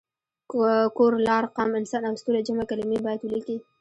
کور، لار، قام، انسان او ستوری جمع کلمې باید ولیکي.